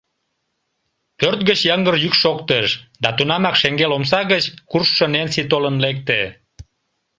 Пӧрт гыч йыҥгыр йӱк шоктыш, да тунамак шеҥгел омса гыч куржшо Ненси толын лекте.